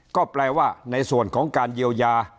ก็แปลว่าในส่วนของการเยียวยา